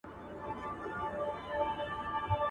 د رڼا کړکۍ پرانیزي